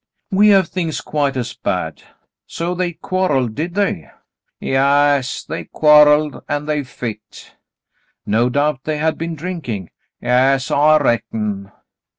^^" "We have things quite as bad. So they quarrelled, did they?" "Yaas, they quarrelled, an' they fit." "No doubt they had been drinking." "Yas, I reckon."